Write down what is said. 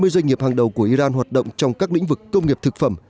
sáu mươi doanh nghiệp hàng đầu của iran hoạt động trong các lĩnh vực công nghiệp thực phẩm